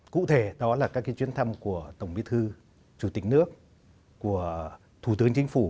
cụ thể đó là các chuyến thăm của tổng bí thư chủ tịch nước của thủ tướng chính phủ